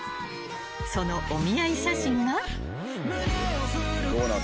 ［そのお見合い写真が］